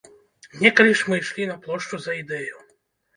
Некалі ж мы ішлі на плошчу за ідэю.